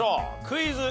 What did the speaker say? クイズ。